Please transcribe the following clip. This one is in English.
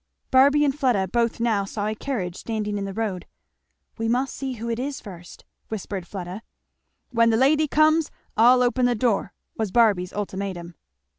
Barby and Fleda both now saw a carriage standing in the road. "We must see who it is first," whispered Fleda. "When the lady comes I'll open the door," was Barby's ultimatum.